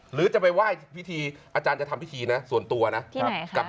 หรือจะไปไหว้พิธีอาจารย์จะทำพิธีนะส่วนตัวนะ